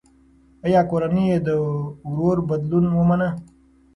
ایا کورنۍ یې د ورور بدلون ومنه؟